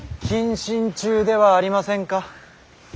謹慎中ではありませんか。